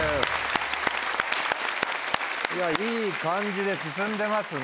いやいい感じで進んでますね。